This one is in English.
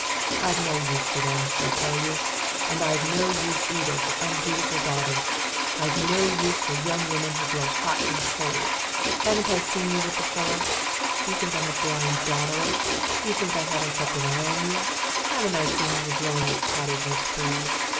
I've no use for them, I tell you. And I've no use either for undutiful daughters. I've no use for young women who blow hot and cold. Haven't I seen you with the fellow? Do you think I'm a blind dodderer? Do you think I haven't kept an eye on you? Haven't I seen you blowing as hot as you please?